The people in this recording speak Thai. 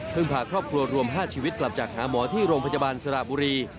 พาครอบครัวรวม๕ชีวิตกลับจากหาหมอที่โรงพยาบาลสระบุรี